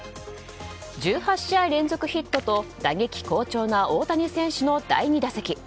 １８試合連続ヒットと打撃好調な大谷選手の第２打席。